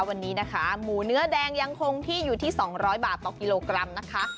วันนี้นะคะหมูเนื้อแดงยังคงที่อยู่ที่๒๐๐บาทต่อกิโลกรัมนะคะ